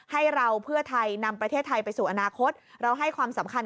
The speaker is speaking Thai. ให้เราเพื่อไทยนำประเทศไทยไปสู่อนาคตเราให้ความสำคัญ